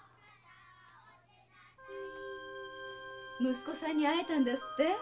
息子さんに会えたんだって？